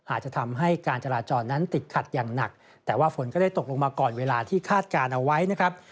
อาจจะทำให้การจราจรนั้นติดขัดอย่างหนักแต่ว่าฝนก็ได้ตกลงมาก่อนเวลาที่คาดการณ์เอาไว้นะครับ